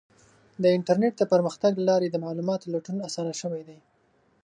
د انټرنیټ د پرمختګ له لارې د معلوماتو لټون اسانه شوی دی.